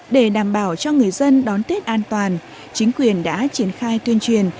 để đảm bảo cho người dân đón tết an toàn chính quyền đã triển khai tuyên truyền